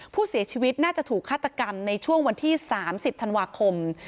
ผู้เสียชีวิตน่าจะถูกฆาตกรรมในช่วงวันที่๓๐ธันวาคม